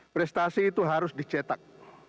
prestasi itu harus dicetak